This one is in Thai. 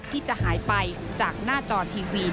ที่จะหายไปจากหน้าจอทีวี